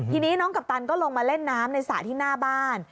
ทีนี้น้องกัปตันก็ลงมาเล่นน้ำในสระที่หน้าบ้าน